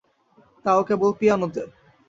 তাও কেবল পিয়ানোতে!